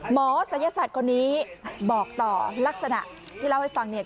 ศัยศาสตร์คนนี้บอกต่อลักษณะที่เล่าให้ฟังเนี่ย